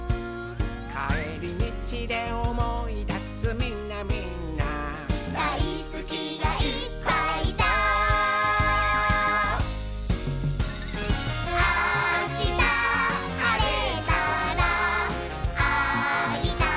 「かえりみちでおもいだすみんなみんな」「だいすきがいっぱいだ」「あしたはれたらあいたくなっちゃうね」